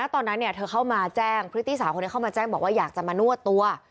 ตอนนั้นเธอเข้ามาแจ้งพฤติสาวคนนี้เข้ามาแจ้งบอกว่าอยากจะมานวดตัว